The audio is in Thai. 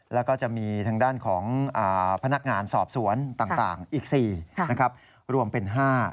แล้วก็จะมีทางด้านของพนักงานสอบสวนต่างอีก๔รวมเป็น๕